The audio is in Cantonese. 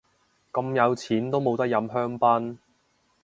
咁有錢都冇得飲香檳